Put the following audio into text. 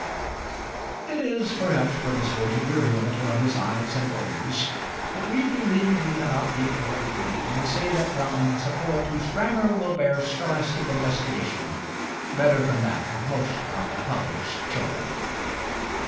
It is perhaps permissible to weary a little of his i's and o's, but we believe we cannot be corrected when we say that Browning is a poet whose grammar will bear scholastic investigation better than that of most of Apollo's children.